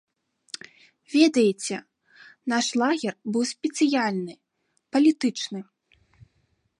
Ведаеце, наш лагер быў спецыяльны, палітычны.